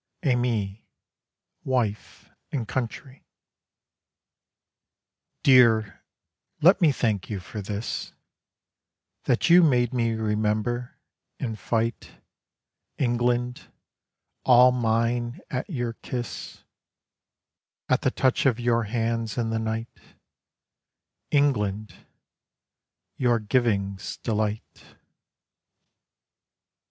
Aimée WIFE AND COUNTRY Dear, let me thank you for this: That you made me remember, in fight, England all mine at your kiss, At the touch of your hands in the night: England your giving's delight.